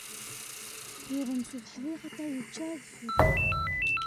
Yuḍen s ubeḥri axaṭer yečča adfel.